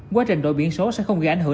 quá trình đổi biển số sẽ không gây ảnh hưởng